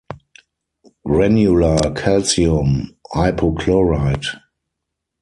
Granular calcium hypochlorite.